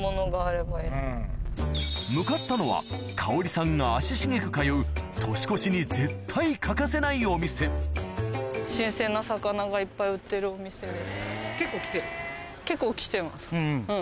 向かったのは香織さんが足しげく通う年越しに絶対欠かせないお店結構来てるんですか？